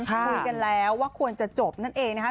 คุยกันแล้วว่าควรจะจบนั่นเองนะคะ